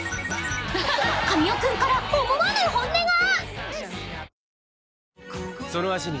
［神尾君から思わぬ本音が！］